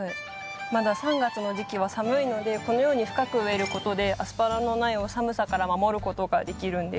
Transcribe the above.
まだ３月の時期は寒いのでこのように深く植えることでアスパラの苗を寒さから守ることができるんです。